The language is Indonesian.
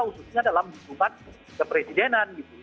khususnya dalam hubungan ke presidenan